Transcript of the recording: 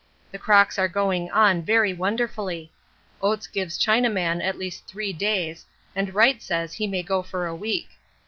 The crocks are going on, very wonderfully. Oates gives Chinaman at least three days, and Wright says he may go for a week.